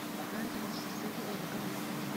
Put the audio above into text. kandi nashyizeho urugamba.